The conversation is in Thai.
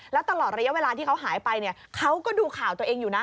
แล้วตลอดระยะเวลาที่เขาหายไปเนี่ยเขาก็ดูข่าวตัวเองอยู่นะ